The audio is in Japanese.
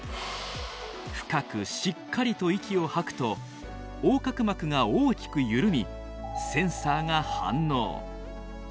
深くしっかりと息を吐くと横隔膜が大きく緩みセンサーが反応。